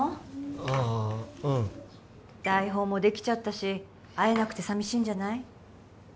ああうん台本もできちゃったし会えなくて寂しいんじゃない？